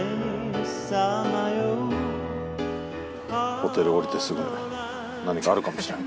ホテル降りてすぐ何かあるかもしれない。